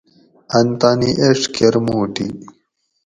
ان تانی ایڄ کۤرموٹی